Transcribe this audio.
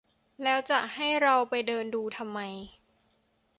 แล้วจะให้เราไปเดินดูทำไม